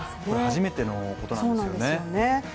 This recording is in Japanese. これ初めてのことなんですよね。